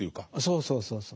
そうそうそうそう。